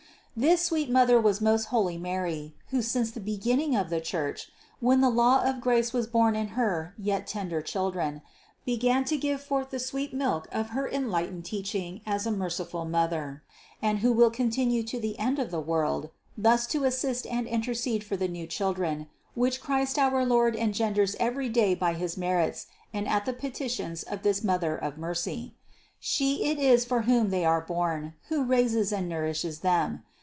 This sweet Mother was most holy Mary, who since the beginning of the Church, when the law of grace was born in her yet tender children, began to give forth the sweet milk of her enlightened teaching as a merciful Mother ; and who will continue to the end of the world thus to assist and intercede for the new chil dren, which Christ our Lord engenders every day by his merits and at the petitions of this Mother of mercy. She 27 394 CITY OF GOD it is for whom they are born, who raises and nourishes them.